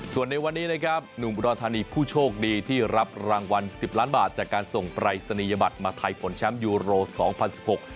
ส่วนในวันนี้นะครับหนุ่มอุดรธานีผู้โชคดีที่รับรางวัลสิบล้านบาทจากการส่งปรายศนียบัตรมาทายผลแชมป์ยูโรสองพันสิบหก